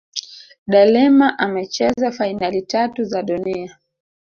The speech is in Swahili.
de Lima amecheza fainali tatu za dunia